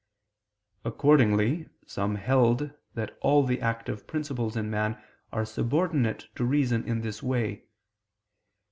Accordingly some held that all the active principles in man are subordinate to reason in this way.